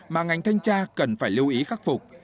mà ngành thanh tra cần phải lưu ý khắc phục